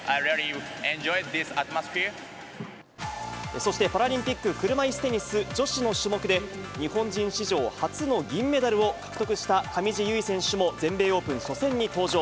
そして、パラリンピック車いすテニス、女子の種目で、日本人史上初の銀メダルを獲得した上地結衣選手も、全米オープン初戦に登場。